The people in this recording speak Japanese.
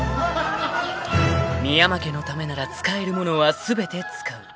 ［深山家のためなら使えるものは全て使う］